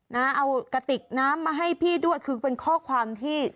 นะเอากระติกน้ำมาให้พี่ด้วยคือเป็นข้อความที่